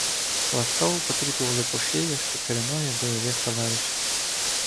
Ласкаво потріпували по шиях чотириногих бойових товаришів.